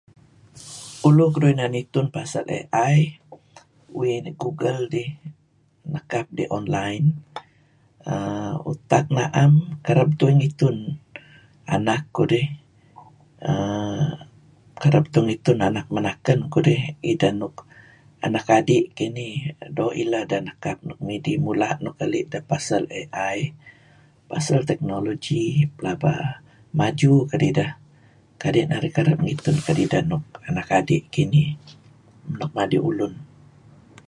Tulu keduih inan itun pasel AI uih google idih nekap idih online err tak na'em kereb tuih ngitun anak kudih err kereb tuih ngitun anak menaken kudih ideh nuk anak adi' kinih doo' ileh deh nekap nuk midih, mula' nuk keli' deh pasal AI, pasal technology pelaba maju kedideh kadi' ngitun kedideh nuk anak adi' kinih, nuk madi' ulun.